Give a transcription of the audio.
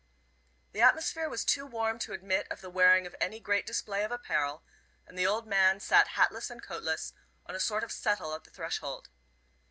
The atmosphere was too warm to admit of the wearing of any great display of apparel, and the old man sat hatless and coatless on a sort of settle at the threshold.